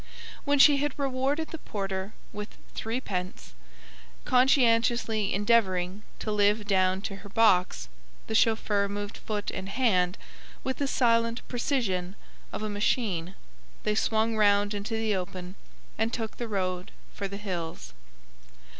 When she had rewarded the porter with threepence, conscientiously endeavouring to live down to her box, the chauffeur moved foot and hand with the silent precision of a machine, they swung round into the open, and took the road for the hills.